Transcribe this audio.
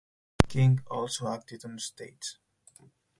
King also acted on stage.